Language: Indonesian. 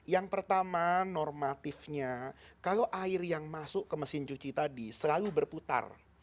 yang pertama normatifnya kalau air yang masuk ke mesin cuci tadi selalu berputar